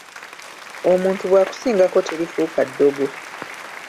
Omuntu bw’akusingako terifuuka ddogo.